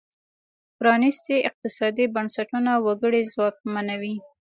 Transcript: پرانیستي اقتصادي بنسټونه وګړي ځواکمنوي.